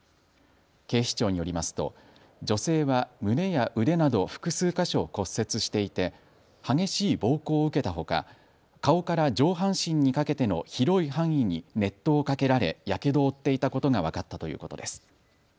警視庁によりますと女性は胸や腕など複数か所、骨折していて激しい暴行を受けたほか顔から上半身にかけての広い範囲に熱湯かけられ、やけどを負っていたことが分かったということです。